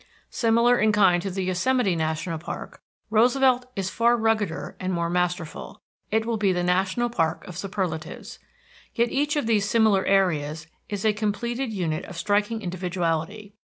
Similar in kind to the Yosemite National Park, Roosevelt is far ruggeder and more masterful. It will be the national park of superlatives. Yet each of these similar areas is a completed unit of striking individuality.